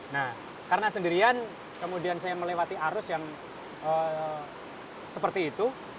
nah karena sendirian kemudian saya melewati arus yang seperti itu